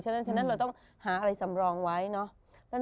ฉะนั้นเราต้องหาอะไรสำรองไว้เนาะ